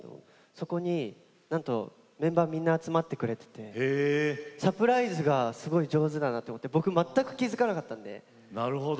そこにメンバーみんなが集まってくれていてサプライズがすごく上手だなと思って僕は全く気が付かなかったので。